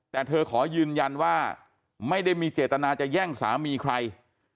แต่เธอขอยืนยันว่าไม่ได้มีเจตนาจะแย่งสามีใคร